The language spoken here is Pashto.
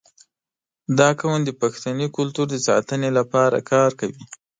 • دا قوم د پښتني کلتور د ساتنې لپاره کار کوي.